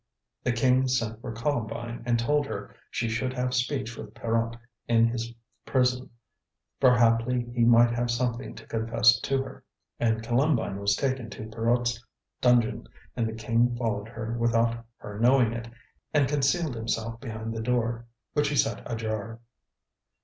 The King sent for Columbine and told her she should have speech with Pierrot in his prison, for haply he might have something to confess to her. And Columbine was taken to Pierrot's dungeon, and the King followed her without her knowing it, and concealed himself behind the door, which he set ajar.